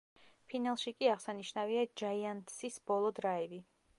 ფინალში კი აღსანიშნავია ჯაიანთსის ბოლო დრაივი.